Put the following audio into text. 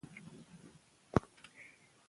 د ژوند بریا د ځواک، باور او هڅې سره تړلې ده.